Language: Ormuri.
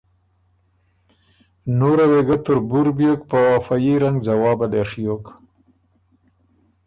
نُوره وې ګۀ تربُور بیوک په فه يي رنګ ځوابه لې ڒیوک۔